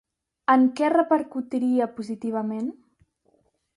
En què repercutiria positivament?